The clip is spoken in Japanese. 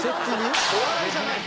お笑いじゃない。